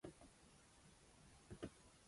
大理山梗菜为桔梗科半边莲属下的一个种。